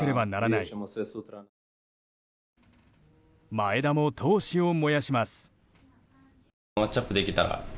前田も闘志を燃やします。